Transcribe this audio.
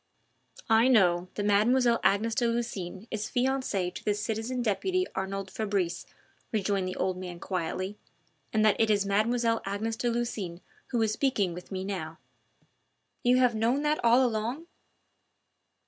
"I know that Mademoiselle Agnes de Lucines is fiancee to the citizen deputy Arnould Fabrice," rejoined the old man quietly, "and that it is Mademoiselle Agnes de Lucines who is speaking with me now." "You have known that all along?"